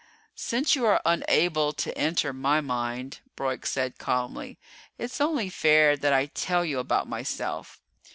"Since you are unable to enter my mind," Broyk said calmly, "it's only fair that I tell you about myself.